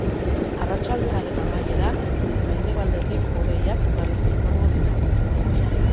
Arratsaldearen amaieran mendebaldetik hodeiak ugaritzen joango dira.